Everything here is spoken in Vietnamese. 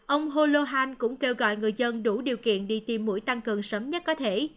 ông holohan cũng kêu gọi người dân đủ điều kiện đi tiêm mũi tăng cường sớm nhất có thể